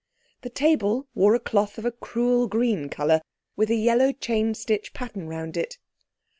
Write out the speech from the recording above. The table wore a cloth of a cruel green colour with a yellow chain stitch pattern round it.